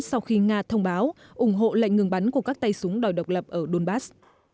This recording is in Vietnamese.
sau khi nga thông báo ủng hộ lệnh ngừng bắn của các tay súng đòi độc lập ở donbass